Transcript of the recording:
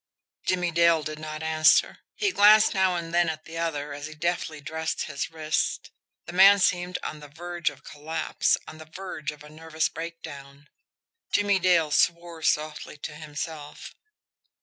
Jimmie Dale did not answer. He glanced now and then at the other, as he deftly dressed his wrist the man seemed on the verge of collapse, on the verge of a nervous breakdown. Jimmie Dale swore softly to himself.